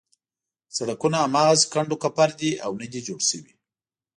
سړکونه هماغسې کنډو کپر دي او نه دي جوړ شوي.